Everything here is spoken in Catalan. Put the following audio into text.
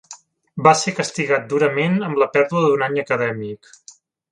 Va ser castigat durament amb la pèrdua d'un any acadèmic.